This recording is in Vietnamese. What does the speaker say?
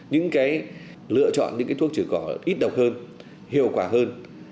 những cái thuốc trừ cỏ ít độc hơn hiệu quả hơn